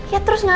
ya terus ngapain